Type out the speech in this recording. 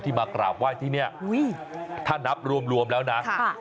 มากราบไหว้ที่เนี่ยถ้านับรวมแล้วนะ